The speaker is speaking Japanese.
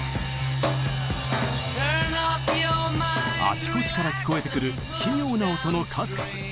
あちこちから聞こえてくる奇妙な音の数々。